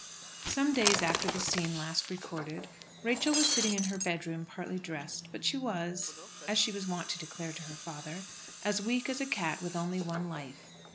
Some days after the scene last recorded Rachel was sitting in her bedroom, partly dressed, but she was, as she was wont to declare to her father, as weak as a cat with only one life.